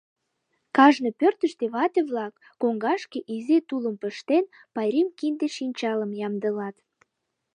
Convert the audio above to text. Кажне пӧртыштӧ вате-влак, коҥгашке изи тулым пыштен, пайрем кинде-шинчалым ямдылат.